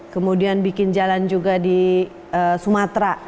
kemudian bikin jalan juga di sumatera